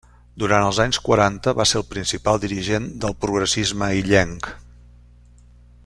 Durant els anys quaranta va ser el principal dirigent del progressisme illenc.